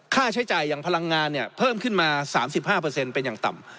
ค่าใช้จ่ายอย่างพลังงานเพิ่มขึ้นมา๓๕เป็นอย่างต่ำ